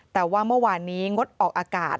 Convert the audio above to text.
แต่ว่าเมื่อวานนี้งดออกอากาศ